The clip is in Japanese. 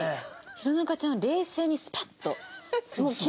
弘中ちゃんは冷静にスパッと。